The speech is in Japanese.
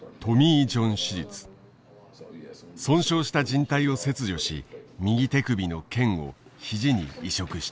損傷したじん帯を切除し右手首の腱を肘に移植した。